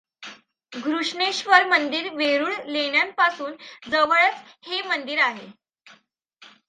घृष्णेश्वर मंदिर वेरूळ लेण्यांपासून जवळच हे मंदिर आहे.